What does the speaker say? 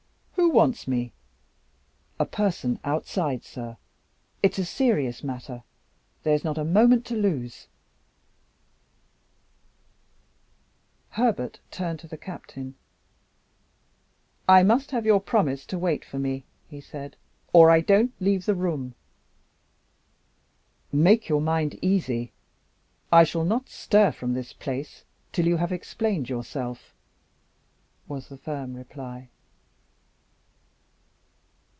"Who wants me?" "A person outside, sir. It's a serious matter there is not a moment to lose." Herbert turned to the Captain. "I must have your promise to wait for me," he said, "or I don't leave the room." "Make your mind easy. I shall not stir from this place till you have explained yourself," was the firm reply.